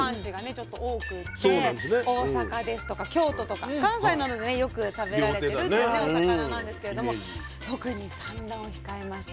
ちょっと多くって大阪ですとか京都とか関西などでねよく食べられてるっていうねお魚なんですけれども特に産卵を控えました